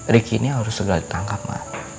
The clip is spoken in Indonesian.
ricky ini harus segera ditangkap ma